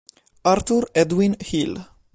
Arthur Edwin Hill